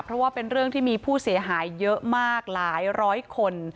เพราะว่าเป็นเรื่องที่มีผู้เสียหายเยอะมากหลายร้อยคน